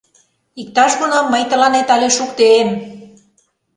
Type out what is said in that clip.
Иктаж-кунам мый тыланет але шуктем!..